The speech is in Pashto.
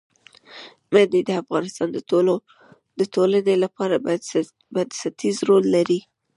منی د افغانستان د ټولنې لپاره بنسټيز رول لري.